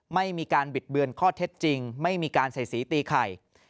ไม่มีการบิดเบือนข้อเท็จจริงไม่มีการใส่สีตีไข่